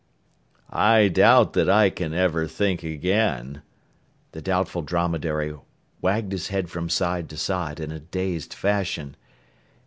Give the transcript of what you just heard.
"I doubt that I can ever think again." The Doubtful Dromedary wagged his head from side to side in a dazed fashion.